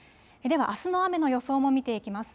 では、あすの雨の予想も見ていきます。